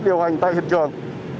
điều hành tại hiện trường